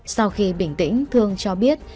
sau khi bình tĩnh thương cho biết